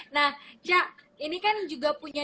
nah cak ini kan juga punya